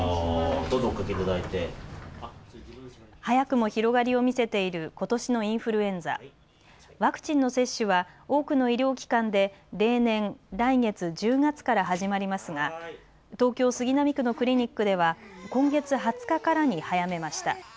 早くも広がりを見せていることしのインフルエンザワクチンの接種は多くの医療機関で例年、来月１０月から始まりますが東京・杉並区のクリニックでは今月２０日からに早めました。